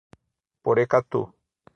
Porecatu